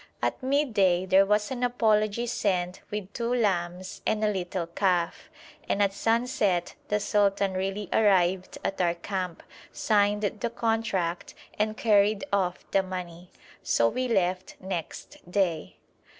At midday there was an apology sent with two lambs and a little calf, and at sunset the sultan really arrived at our camp, signed the contract, and carried off the money; so we left next day.